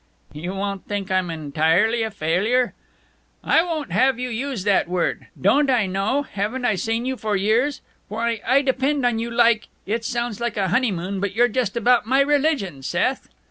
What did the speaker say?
"You won't think I'm entirely a failure?" "I won't have you use that word! Don't I know haven't I seen you for years? Why, I depend on you like it sounds like a honeymoon, but you're just about my religion, Seth."